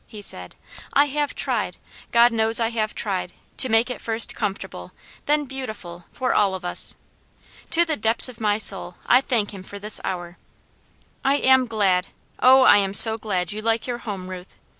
he said. "I have tried, God knows I have tried, to make it first comfortable, then beautiful, for all of us. To the depths of my soul I thank Him for this hour. I am glad, Oh I am so glad you like your home, Ruth!